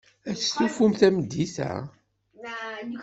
Ad stufun tameddit-a?